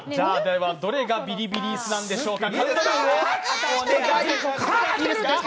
どれがビリビリ椅子なんでしょうか。